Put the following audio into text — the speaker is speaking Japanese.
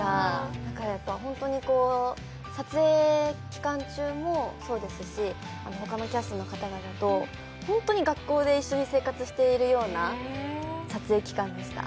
だから、本当に撮影期間中もそうですし、ほかのキャストの方々と、本当に一緒に学校で生活しているような撮影期間でした。